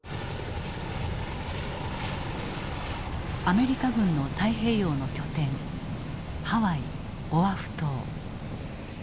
アメリカ軍の太平洋の拠点ハワイ・オアフ島。